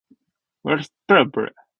嗯，您真有趣